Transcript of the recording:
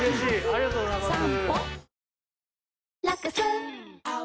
ありがとうございます。